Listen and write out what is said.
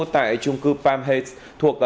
tại trung cư palm heights